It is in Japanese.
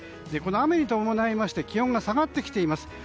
この雨に伴いまして気温が下がってきています。